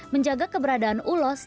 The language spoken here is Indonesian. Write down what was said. menjaga keberadaan ulos